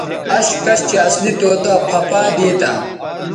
اش کش چہء اصلی طوطا پھہ پائ دیتہ